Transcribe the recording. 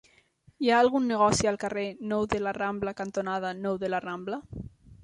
Hi ha algun negoci al carrer Nou de la Rambla cantonada Nou de la Rambla?